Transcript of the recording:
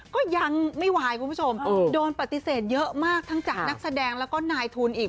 ก็ยังไม่วายคุณผู้ชมโดนปฏิเสธเยอะมากทั้งจากนักแสดงแล้วก็นายทุนอีก